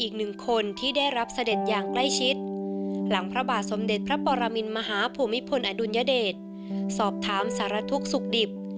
อีกหนึ่งคนที่ได้รับเสด็จอย่างใกล้ชิดหลังพระบาทสมเด็จพระปรมินมหาภูมิพลอดุลยเดชสอบถามสารทุกข์สุขดิบ